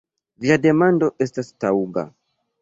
Via demando estas taŭga.